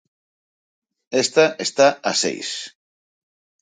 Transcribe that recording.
Esta está a seis.